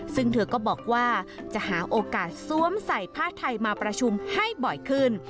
ซึ่งเธอก็บอกว่าจะหาโอกาสสวมใส่ผ้าไทยมาประชุมให้บ่อยขึ้น